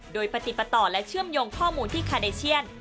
โดยปฏิปต่อและเชื่อมโยงข้อมูลที่คาเดเชียน